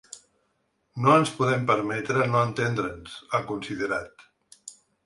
No ens podem permetre no entendre’ns, ha considerat.